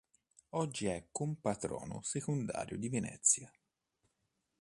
Oggi è compatrono secondario di Venezia.